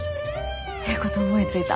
ええこと思いついた。